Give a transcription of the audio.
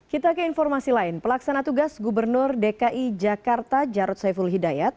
kita ke informasi lain pelaksana tugas gubernur dki jakarta jarod saiful hidayat